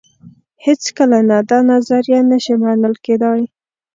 هېڅکله نه دا نظریه نه شي منل کېدای.